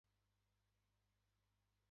下鴨の社家町で過ごしました